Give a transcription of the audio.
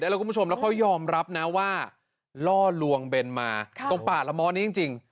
แล้วคุณผู้ชมแล้วเขายอมรับนะว่าล่อลวงเบนมาตรงป่าละม้อนี้จริง